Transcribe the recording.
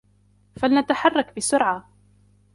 فلنتحرّك بسرعة.